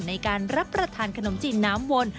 ในการรับประทานขนมจีนน้ำวน